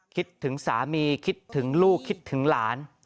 คิดถึงสามีคิดถึงลูกคิดถึงหลาน